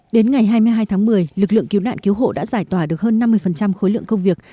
đến ngày hai mươi hai tháng một mươi lực lượng cứu nạn cứu hộ đã giải tỏa được hơn năm mươi khối lượng công việc